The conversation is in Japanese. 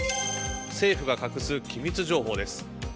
政府が隠す機密情報です。